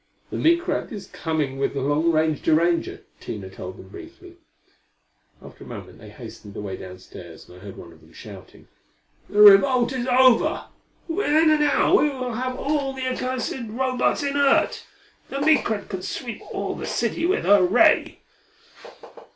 "The Micrad is coming with the long range deranger," Tina told them briefly. After a moment they hastened away upstairs and I heard one of them shouting: "The revolt is over! Within an hour we will have all the accursed Robots inert. The Micrad can sweep all the city with her ray!"